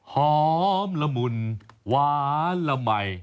หอมละมุนหวานละมัย